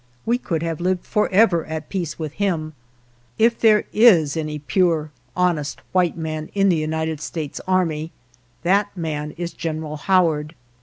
We could have lived forever at peace with him. If there is any pure, honest white man in the United States army, that man is Gen eral Howard.